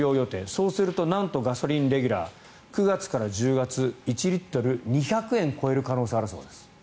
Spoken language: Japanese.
そうするとなんと、レギュラーガソリン９月から１０月１リットル２００円超える可能性あるそうです。